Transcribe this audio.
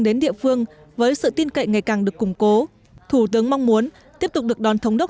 đến địa phương với sự tin cậy ngày càng được củng cố thủ tướng mong muốn tiếp tục được đón thống đốc